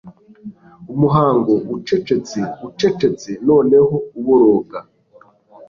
umuhango, ucecetse ucecetse noneho uboroga